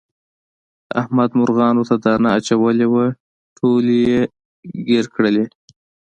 احمد مرغانو ته دانه اچولې وه ټولې یې ګیر کړلې.